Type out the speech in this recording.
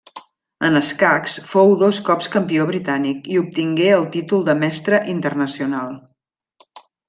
En escacs, fou dos cops campió britànic, i obtingué el títol de Mestre Internacional.